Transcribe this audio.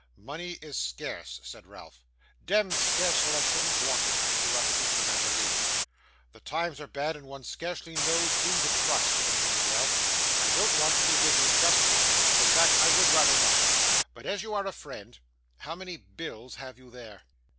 'Money is scarce,' said Ralph. 'Demd scarce, or I shouldn't want it,' interrupted Mr. Mantalini. 'The times are bad, and one scarcely knows whom to trust,' continued Ralph. 'I don't want to do business just now, in fact I would rather not; but as you are a friend how many bills have you there?